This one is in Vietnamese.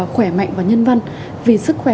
khỏe mạnh và nhân văn vì sức khỏe